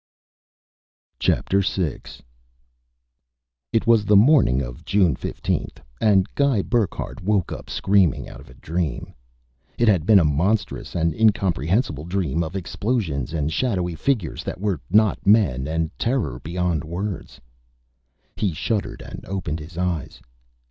VI It was the morning of June 15th, and Guy Burckhardt woke up screaming out of a dream. It had been a monstrous and incomprehensible dream, of explosions and shadowy figures that were not men and terror beyond words. He shuddered and opened his eyes.